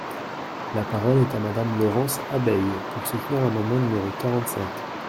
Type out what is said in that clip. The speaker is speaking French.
La parole est à Madame Laurence Abeille, pour soutenir l’amendement numéro quarante-cinq.